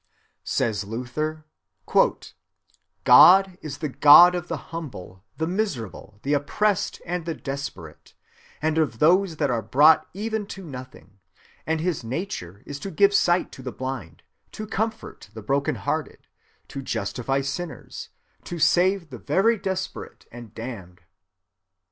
"God," says Luther, "is the God of the humble, the miserable, the oppressed, and the desperate, and of those that are brought even to nothing; and his nature is to give sight to the blind, to comfort the broken‐hearted, to justify sinners, to save the very desperate and damned.